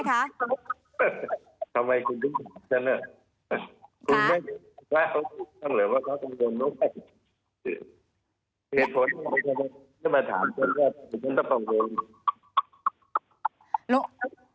อีกแล้วใช่ไหมคะ